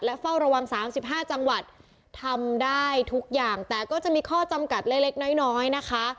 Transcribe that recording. และเฝ้าระวังสามสิบห้าจังหวัดทำได้ทุกอย่างแต่ก็จะมีข้อจำกัดเล็กเล็กน้อยน้อยนะคะ